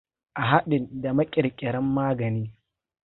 a hadin da ma kir-kirar magani.